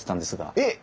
えっ！